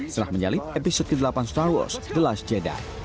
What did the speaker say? setelah menyalip episode ke delapan star wars the last jeddah